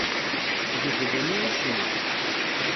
Gedlen-iyi ccna.